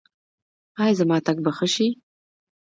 ایا زما تګ به ښه شي؟